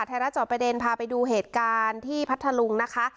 ระจอบประเด็นพาไปดูเหตุการณ์ที่พัทธลุงนะคะ